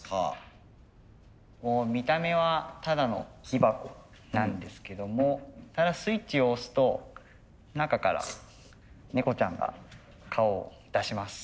見た目はただの木箱なんですけどもスイッチを押すと中から猫ちゃんが顔を出します。